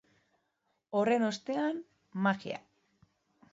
Horren ostean, magia.